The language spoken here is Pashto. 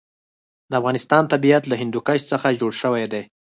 د افغانستان طبیعت له هندوکش څخه جوړ شوی دی.